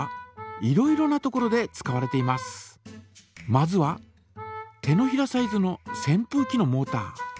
まずは手のひらサイズのせんぷうきのモータ。